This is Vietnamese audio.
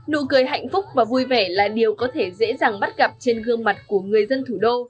nụ cười hạnh phúc và vui vẻ là điều có thể dễ dàng bắt gặp trên gương mặt của người dân thủ đô